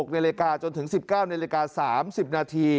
๑๖นจนถึง๑๙น๓๐น